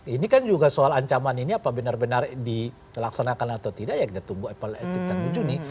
ini kan juga soal ancaman ini apa benar benar dilaksanakan atau tidak ya kita tunggu evaluasi